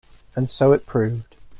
And so it proved.